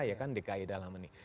ya kan dki dalam ini